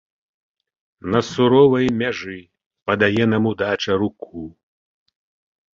На суровай мяжы падае нам удача руку.